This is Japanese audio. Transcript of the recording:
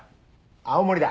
青森だ。